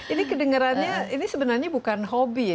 ini kedengerannya ini sebenarnya bukan hobi ya